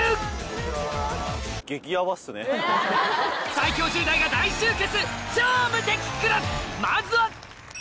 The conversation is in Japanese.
最強１０代が大集結